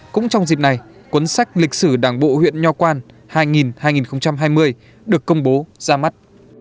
cũng trong dịp này cuốn sách lịch sử đảng bộ huyện nho quan hai nghìn hai mươi được công bố ra mắt